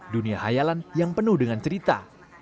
dunia hayalan yang penuh dengan cerita